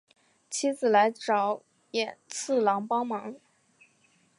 妻子来找寅次郎帮忙。